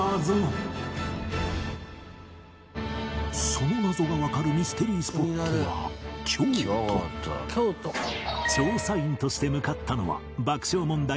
その謎がわかるミステリースポットは調査員として向かったのは爆笑問題太田と露の団姫